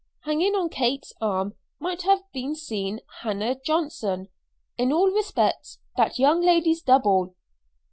Hanging on Kate's arm might have been seen Hannah Johnson, in all respects that young lady's double.